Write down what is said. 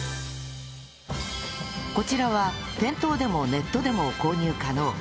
こちらは店頭でもネットでも購入可能